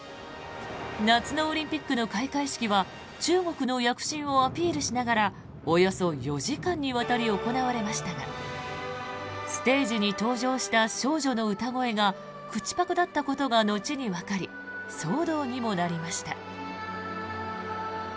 夏のオリンピックの開会式は中国の躍進をアピールしながらおよそ４時間にわたり行われましたがステージに登場した少女の歌声が口パクだったことが後にわかり騒動にもなりました。